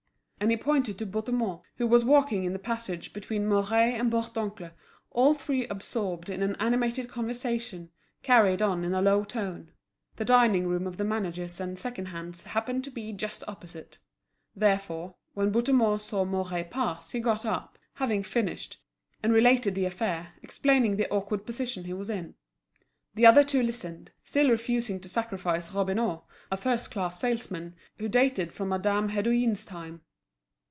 And he pointed to Bouthemont, who was walking in the passage between Mouret and Bourdoncle, all three absorbed in an animated conversation, carried on in a low tone. The dining room of the managers and second hands happened to be just opposite. Therefore, when Bouthemont saw Mouret pass he got up, having finished, and related the affair, explaining the awkward position he was in. The other two listened, still refusing to sacrifice Robineau, a first class salesman, who dated from Madame Hédouin's time.